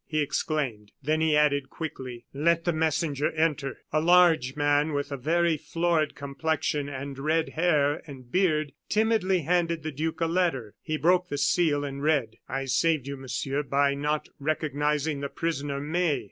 he exclaimed. Then he added, quickly: "Let the messenger enter." A large man, with a very florid complexion, and red hair and beard, timidly handed the duke a letter, he broke the seal, and read: "I saved you, Monsieur, by not recognizing the prisoner, May.